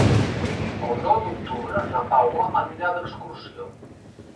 El nou d'octubre na Paula anirà d'excursió.